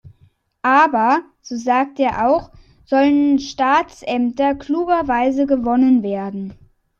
Aber, so sagt er auch, sollen Staatsämter klugerweise gewonnen werden.